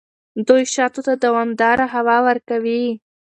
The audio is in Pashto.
دوی شاتو ته دوامداره هوا ورکوي.